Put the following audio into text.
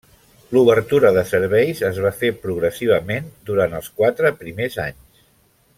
L'obertura de serveis es va fer progressivament durant els quatre primers anys.